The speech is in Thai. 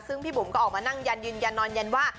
ซึ่งพี่บุ๋มก็ออกมานั่งยันยืนยันนอนยันว่า